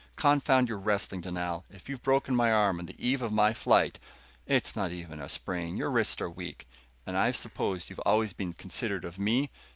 "Confound your wrestling, Dunal. If you've broken my arm on the eve of my flight " "It's not even a sprain. Your wrists are weak. And I supposed you've always been considerate of me?